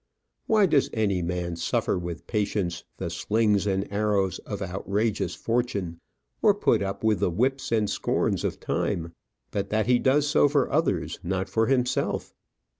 Why does any man suffer with patience "the slings and arrows of outrageous fortune," or put up with "the whips and scorns of time," but that he does so for others, not for himself?